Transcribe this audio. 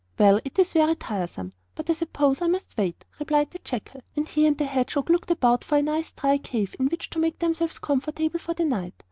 'Well, it is very tiresome, but I suppose I must wait,' replied the jackal. And he and the hedgehog looked about for a nice dry cave in which to make themselves comfortable for the night.